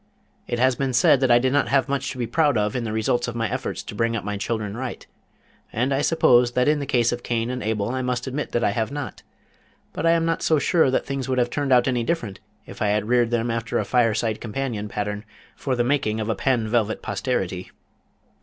It has been said that I did not have much to be proud of in the results of my efforts to bring up my children right, and I suppose that in the case of Cain and Abel I must admit that I have not; but I am not so sure that things would have turned out any different if I had reared them after a Fireside Companion pattern for the making of a panne velvet posterity.